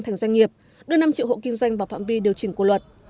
thành doanh nghiệp đưa năm triệu hộ kinh doanh vào phạm vi điều chỉnh của luật